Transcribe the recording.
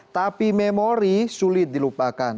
tapi memori sulit dilupakan